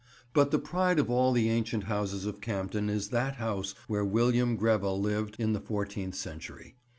But the pride of all the ancient houses of Campden is that house where William Grevel lived in the fourteenth century.